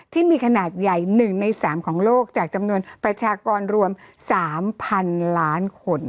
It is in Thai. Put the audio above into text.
ที่มีขนาดใหญ่หนึ่งในสามของโลกจากจำนวนประชากรรวมสามพันล้านคน